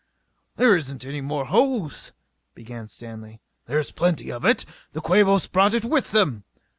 "There isn't any more hose " began Stanley. "There's plenty of it. The Quabos brought it with them."